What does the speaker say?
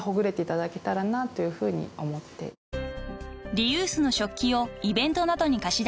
［リユースの食器をイベントなどに貸し出す